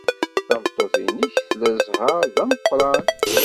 Tameṭṭut-nnek tla zzheṛ d ameqran.